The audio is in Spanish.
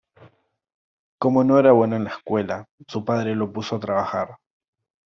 Como no era muy bueno en la escuela, su padre lo puso a trabajar.